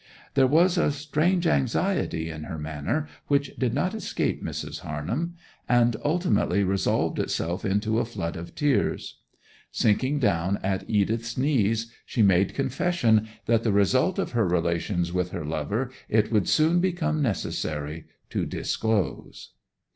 There was a strange anxiety in her manner which did not escape Mrs. Harnham, and ultimately resolved itself into a flood of tears. Sinking down at Edith's knees, she made confession that the result of her relations with her lover it would soon become necessary to disclose.